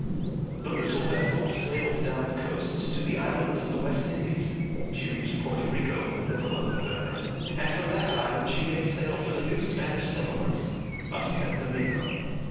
The little vessel sailed down the coast to the islands of the West Indies. She reached Porto Rico in the middle of November, and from that island she made sail for the new Spanish settlements of San Domingo.